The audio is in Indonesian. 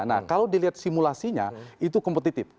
nah kalau dilihat simulasinya itu kompetitif